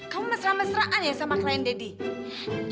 kamu mesra mesraan ya sama klien deddy